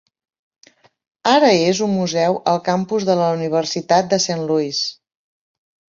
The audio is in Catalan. Ara és un museu al campus de la Universitat de Saint Louis.